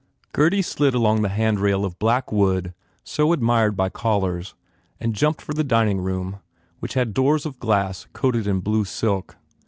Gurdy slid along the handrail of black wood so admired by callers and jumped for the dining room which had doors of glass coated in blue silk.